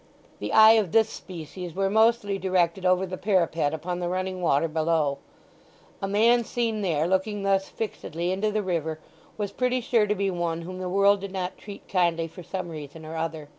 The eye of this species were mostly directed over the parapet upon the running water below. A man seen there looking thus fixedly into the river was pretty sure to be one whom the world did not treat kindly for some reason or other.